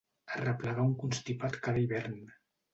Arreplegar un constipat cada hivern.